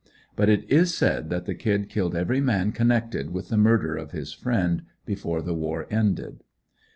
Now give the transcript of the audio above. But it is said that the "Kid" killed every man connected with the murder of his friend before the war ended.